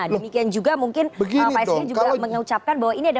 demikian juga mungkin pak sby juga mengucapkan bahwa ini adalah